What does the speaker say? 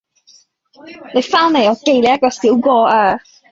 你翻嚟我記你一個小過呀